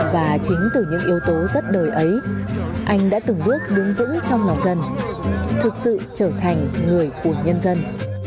và chính từ những yếu tố rất đời ấy anh đã từng bước đứng vững trong lòng dân thực sự trở thành người của nhân dân